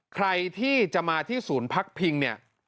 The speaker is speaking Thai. ใครที่จะมาที่ศูนย์พักพิงเนี่ย